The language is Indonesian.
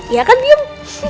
ya kan biung